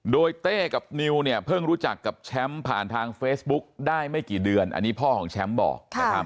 โดยเต้กับนิวเนี่ยเพิ่งรู้จักกับแชมป์ผ่านทางเฟซบุ๊กได้ไม่กี่เดือนอันนี้พ่อของแชมป์บอกนะครับ